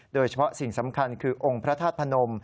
โดยเฉพาะสิ่งสำคัญคือองค์พระธาตุพนม